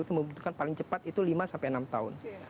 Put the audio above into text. itu membutuhkan paling cepat itu lima sampai enam tahun